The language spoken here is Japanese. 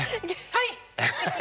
はい！